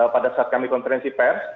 pada saat kami konferensi pers